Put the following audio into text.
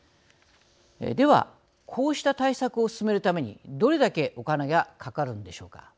ではこうした対策を進めるためにどれだけお金がかかるんでしょうか。